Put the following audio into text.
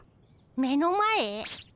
目の前？